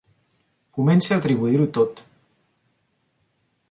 Comença a atribuir-ho tot.